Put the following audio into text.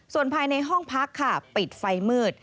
ส่วนภายในห้องพักค่ะปิดไฟมืด